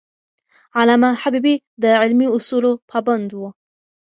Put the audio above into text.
علامه حبیبي د علمي اصولو پابند و.